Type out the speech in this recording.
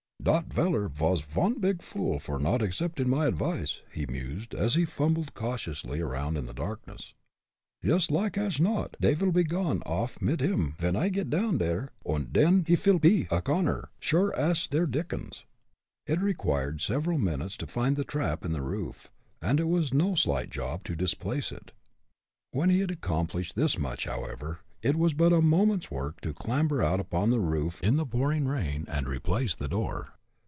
"Dot veller vas von big fool for not acceptin' my advice," he mused, as he fumbled cautiously around in the darkness. "Yoost like ash not dey vil pe gone off mit him, ven I git down dere, und den he vil pe a goner, sure ash der dickens." It required several minutes to find the trap in the roof, and it was no slight job to displace it. When he had accomplished this much, however, it was but a moment's work to clamber out upon the roof in the pouring rain and replace the door.